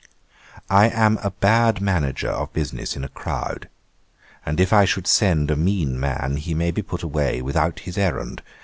'I am a bad manager of business in a crowd; and if I should send a mean man, he may be put away without his errand.